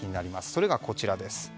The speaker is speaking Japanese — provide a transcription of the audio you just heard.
それが、こちらです。